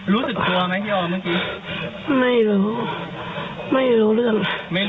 รู้สึกกลัวไหมพี่อทเมื่อกี้